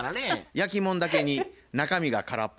焼き物だけに中身が空っぽ。